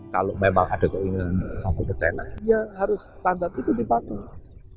kalau memang ada yang ingin masuk ke china ya harus standar itu dipakai